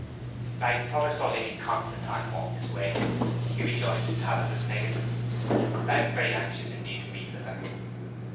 'I thought I saw Lady Constantine walk this way,' he rejoined to Tabitha's negative. 'I am very anxious indeed to meet with her.'